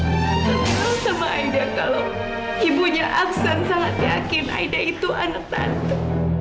tante tahu sama aida kalau ibunya aksan sangat yakin aida itu anak tante